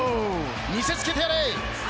見せつけてやれ！